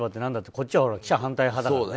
こっちは記者反対派だからね。